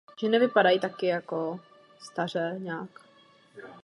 Katastrální území bylo připojeno k obci Bečov.